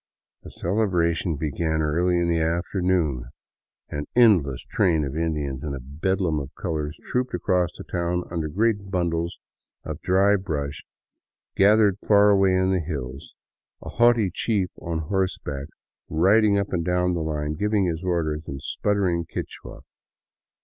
The celebration began early in the afternoon. An endless train of Indians in a bedlam of colors trooped across the town under great bundles of dry brush gathered far away in the hills, a haughty chief on horseback riding up and down the line giving his orders in sputtering Quichua.